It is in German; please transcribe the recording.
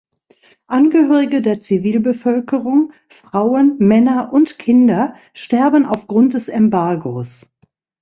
Angehörige der Zivilbevölkerung, Frauen, Männer und Kinder, sterben aufgrund des Embargos.